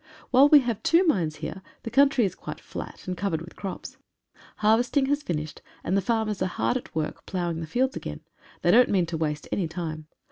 While we have two mines here, the country is quite flat and covered with crops. Harvesting has finished, and the farmers are hard at work ploughing the fields again. They don't mean to waste any time.